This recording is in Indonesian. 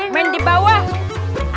main di bawah